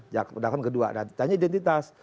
ya kedua tanya identitas